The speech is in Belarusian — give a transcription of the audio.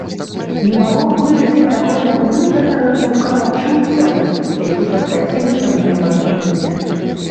Не магу выразіць таго заблытанага клубка пачуццяў, які падкаціўся мне пад грудзі.